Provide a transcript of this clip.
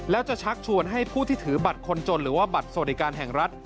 แล้วจะชักชวนให้ผู้ที่ถือบัตรคนจนหรือว่าบัตรสวัสดิการแห่งรัฐ